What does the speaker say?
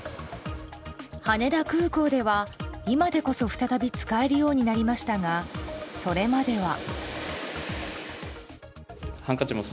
羽田空港では、今でこそ再び使えるようになりましたがそれまでは。